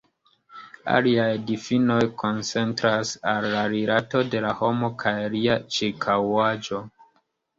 Aliaj difinoj koncentras al la rilato de la homo kaj lia ĉirkaŭaĵo.